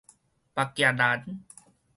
木屐蘭